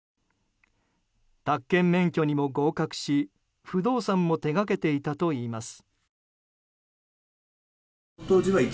宅建免許にも合格し、不動産も手掛けていたといいます。